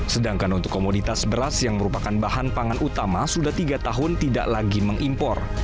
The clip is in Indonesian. sedangkan untuk komoditas beras yang merupakan bahan pangan utama sudah tiga tahun tidak lagi mengimpor